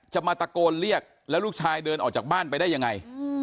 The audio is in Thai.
จะมาตะโกนเรียกแล้วลูกชายเดินออกจากบ้านไปได้ยังไง